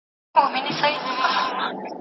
که موږ په ګډه لاسونه ورکړو، هر مشکل به حل کړو.